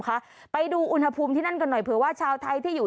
ไปดูอุณหภูมิที่นั่นกันหน่อยเผื่อว่าชาวไทยที่อยู่